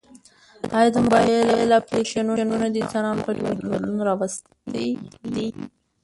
ایا د موبایل اپلیکیشنونه د انسانانو په ژوند کې بدلون راوستی؟